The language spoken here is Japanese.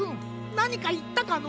なにかいったかの？